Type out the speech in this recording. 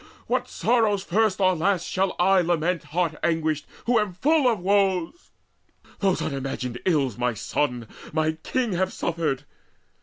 what sorrows first or last shall I Lament heart anguished, who am full of woes? Those unimagined ills my sons, my king Have suffered?